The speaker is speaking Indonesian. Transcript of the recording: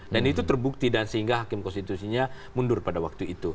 dan itu terbukti dan sehingga hakim konstitusinya mundur pada waktu itu